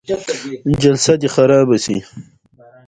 په فیوډالي نظام کې تولیدي ځواکونو وده وکړه.